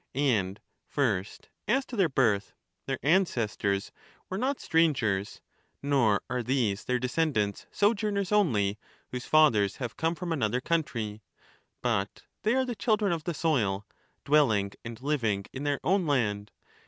And first as to their birth. Their ancestors were not strangers, nor are these their descendants sojourners only, whose fathers have come from another country ; but they are the children of the soil, dwelling and living in their own land.